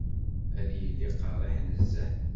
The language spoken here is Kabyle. Ad yili qerriḥ nezzeh.